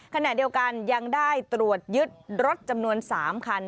ขณะเดียวกันยังได้ตรวจยึดรถจำนวน๓คัน